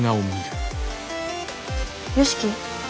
良樹？